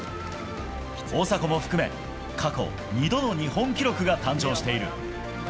大迫も含め、過去２度の日本記録が誕生している。